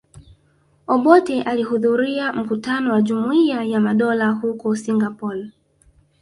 Obote alihudhuria mkutano wa Jumuiya ya Madola huko Singapore